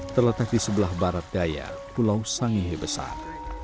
terletak di sebelah barat daya pulau sangihe besar